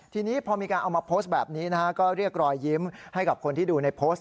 ทีนี้พอมีการเอามาโพสต์แบบนี้นะฮะก็เรียกรอยยิ้มให้กับคนที่ดูในโพสต์